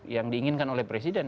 yang diinginkan oleh presiden